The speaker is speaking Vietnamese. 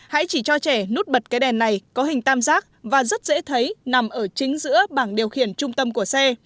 hãy chỉ cho trẻ nút bật cái đèn này có hình tam giác và rất dễ thấy nằm ở chính giữa bảng điều khiển trung tâm của xe